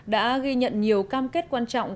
đã ghi nhận nhiều cam kết quan trọng